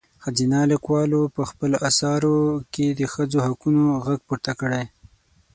ښځينه لیکوالو په خپلو اثارو کې د ښځو د حقونو غږ پورته کړی.